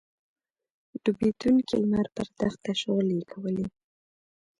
ډوبېدونکی لمر پر دښته شغلې کولې.